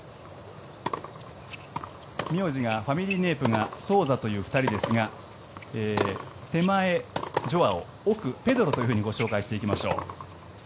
苗字がファミリーネームがソウザという２人ですが手前、ジョアオ奥、ペドロとご紹介していきましょう。